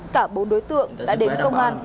cả bốn đối tượng đã đến công an